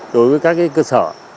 đối với các cơ sở